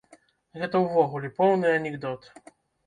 Гэта ўвогуле поўны анекдот.